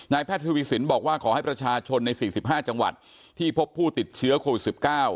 แพทย์ทวีสินบอกว่าขอให้ประชาชนใน๔๕จังหวัดที่พบผู้ติดเชื้อโควิด๑๙